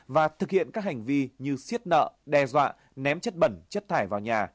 và thực hiện các hành vi như xiết nợ đe dọa ném chất bẩn chất thải vào nhà